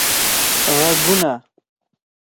ږغونه